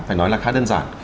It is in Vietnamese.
phải nói là khá đơn giản